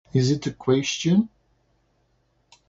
Is it a question